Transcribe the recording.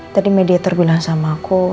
tadi media terguna sama aku